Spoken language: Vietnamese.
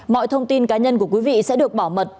mọi thông tin cá nhân của quý vị sẽ được bảo mật